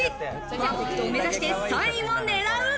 パーフェクトを目指して３位を狙う。